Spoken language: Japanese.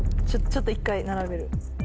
ちょっと１回並べる。